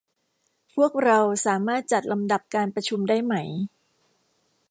พวกเราสามารถจัดลำดับการประชุมได้ไหม